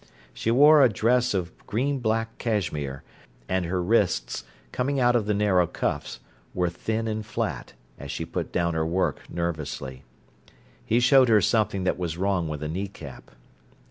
She wore a dress of green black cashmere, and her wrists, coming out of the narrow cuffs, were thin and flat, as she put down her work nervously. He showed her something that was wrong with a knee cap.